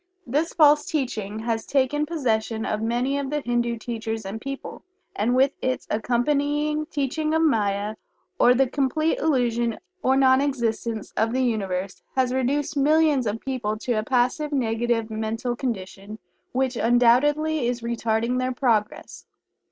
This false teaching has taken possession of many of the Hindu teachers and people, and with its accompanying teaching of "Maya" or the complete illusion or non existence of the Universe, has reduced millions of people to a passive, negative mental condition which undoubtedly is retarding their progress.